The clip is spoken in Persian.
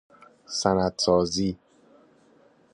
سند سازی